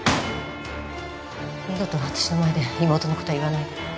二度と私の前で妹のことは言わないで。